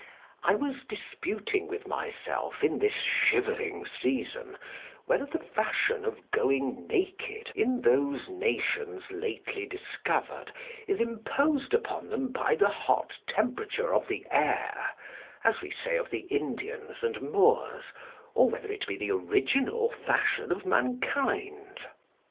I was disputing with myself in this shivering season, whether the fashion of going naked in those nations lately discovered is imposed upon them by the hot temperature of the air, as we say of the Indians and Moors, or whether it be the original fashion of mankind.